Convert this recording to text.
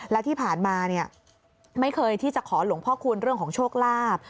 แล้วที่ผ่านมาไม่เคยที่จะขอหลวงพ่อคูณเรื่องของโชคลาภ